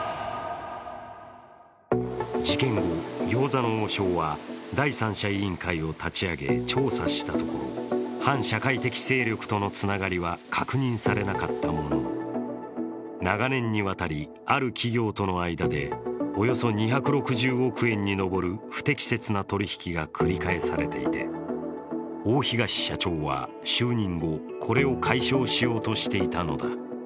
事件後、餃子の王将は第三者委員会を立ち上げ、調査したところ、反社会的勢力とのつながりは確認されなかったものの長年にわたり、ある企業との間でおよそ２６０億円に上る不適切な取引が繰り返されていて大東社長は就任後、これを解消しようとしていたのだ。